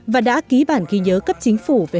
và đã ký bản ghi nhớ cấp chính phủ về hợp tác